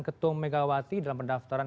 ketum megawati dalam pendaftaran